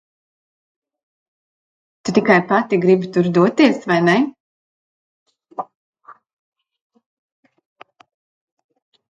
Tu tikai pati gribi tur doties, vai ne?